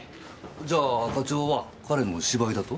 じゃあ課長は彼の芝居だと？